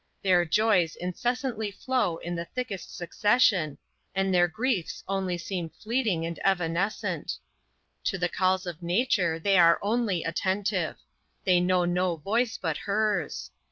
Their joys incessantly flow in the thickest succession, and their griefs only seem fleeting and evanescent. To the calls of nature they are only attentive. They know no voice but hers.